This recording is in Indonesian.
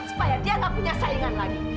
supaya dia nggak punya saingan lagi